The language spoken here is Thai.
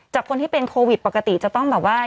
คนที่เป็นโควิดปกติจะต้องแบบว่า